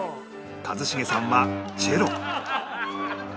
一茂さんはチェロ